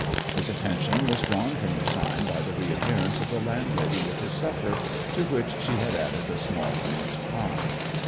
His attention was drawn from the sign by the reappear ance of the landlady with his supper, to which she had added a small meat pie.